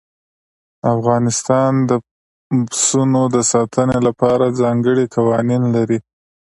افغانستان د پسونو د ساتنې لپاره ځانګړي قوانين لري.